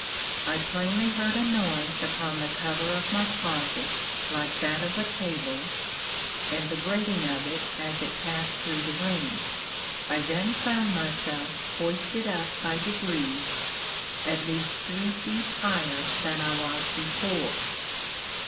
I plainly heard a noise upon the cover of my closet, like that of a cable, and the grating of it as it passed through the ring. I then found myself hoisted up by degrees, at least three feet higher than I was before.